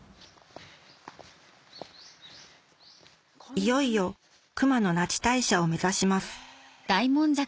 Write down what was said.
いよいよ熊野那智大社を目指します